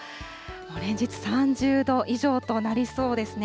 連日、３０度以上となりそうですね。